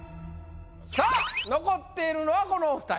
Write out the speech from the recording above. ⁉さあ残っているのはこのお二人。